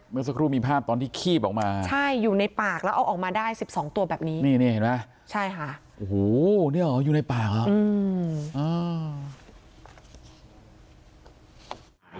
เมื่อสักครู่มีภาพตอนที่คีบออกมาใช่อยู่ในปากแล้วเอาออกมาได้๑๒ตัวแบบนี้นี่นี่เห็นไหมใช่ค่ะโอ้โหเนี่ยเหรออยู่ในปากครับ